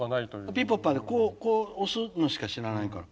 ピポパでこう押すのしか知らないから。